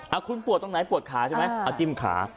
เอาคุณปวดตรงไหนปวดขาใช่ไหมเอาจิ้มขา